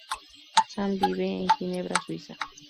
Sand vive en Ginebra, Suiza.